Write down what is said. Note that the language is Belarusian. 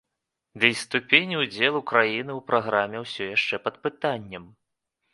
Ды і ступень удзелу краіны ў праграме ўсё яшчэ пад пытаннем.